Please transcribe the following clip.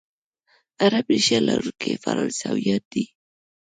عرب ریشه لرونکي فرانسویان دي،